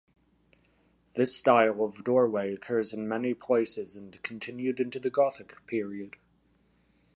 This style of doorway occurs in many places and continued into the Gothic period.